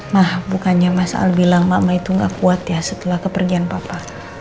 ma bukannya mas al bilang mama itu gak kuat ya setelah kepergian papa